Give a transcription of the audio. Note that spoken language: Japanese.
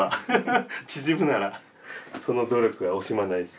縮むならその努力は惜しまないです。